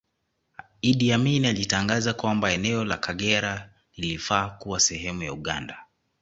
Idi Amin alitangaza kwamba eneo la Kagera lilifaa kuwa sehemu ya Uganda